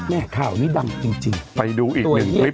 แม่ข้าวนี้ดำจริงไปดูอีกนึงคลิป